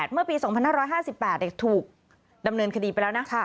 เมื่อปี๒๕๕๘ถูกดำเนินคดีไปแล้วนะ